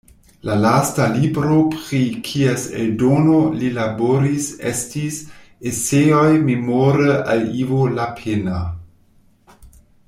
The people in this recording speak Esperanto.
La lasta libro pri kies eldono li laboris estis "Eseoj Memore al Ivo Lapenna".